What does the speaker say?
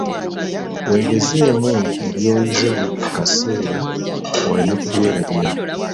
Weegezeemu mu by'oyize buli kaseera oleme kubyerabira.